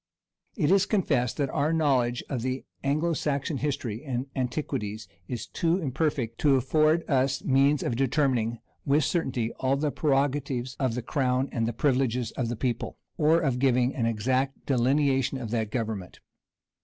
It is confessed that our knowledge of the Anglo Saxon history and antiquities is too imperfect to afford us means of determining with certainty all the prerogatives of the crown and privileges of the people, or of giving an exact delineation of that government.